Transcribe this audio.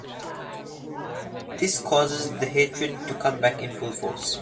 This causes the hatred to come back in full force.